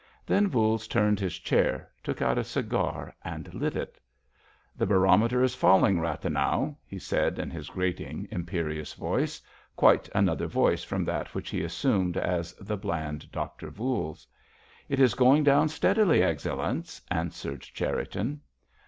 Then Voules turned his chair, took out a cigar and lit it. "The barometer is falling, Rathenau," he said in his grating, imperious voice—quite another voice from that which he assumed as the bland Doctor Voules. "It is going down steadily, Excellenz," answered Cherriton.